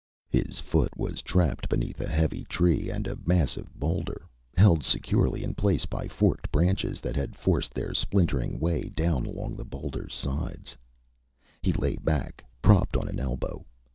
His foot was trapped beneath a heavy tree and a massive boulder, held securely in place by forked branches that had forced their splintering way down along the boulder's sides. He lay back, propped on an elbow.